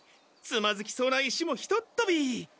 つまずきそうな石もひとっとび。